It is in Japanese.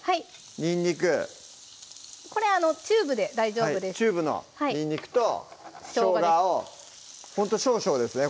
にんにくこれチューブで大丈夫ですチューブのにんにくとしょうがをほんと少々ですね